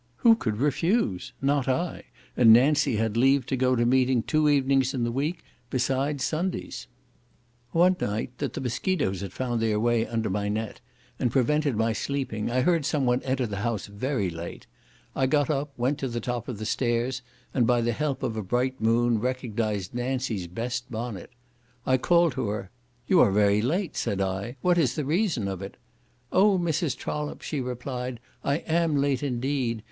Who could refuse? Not I, and Nancy had leave to go to Meeting two evenings in the week, besides Sundays. One night, that the mosquitoes had found their way under my net, and prevented my sleeping, I heard some one enter the house very late; I got up, went to the top of the stairs, and, by the help of a bright moon, recognised Nancy's best bonnet. I called to her: "You are very late." said I. "what is the reason of it?" "Oh, Mrs. Trollope," she replied, "I am late, indeed!